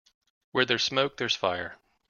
Where there's smoke there's fire.